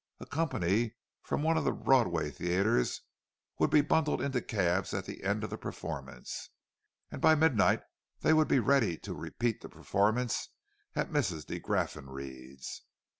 A company from one of the Broadway theatres would be bundled into cabs at the end of the performance, and by midnight they would be ready to repeat the performance at Mrs. de Graffenried's.